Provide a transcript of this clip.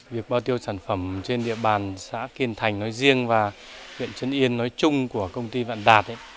việc bao tiêu sản phẩm trên địa bàn xã kiên thành nói riêng và huyện trấn yên nói chung của công ty vạn đạt